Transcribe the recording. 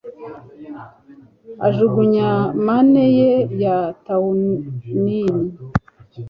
Ajugunya mane ye ya tawny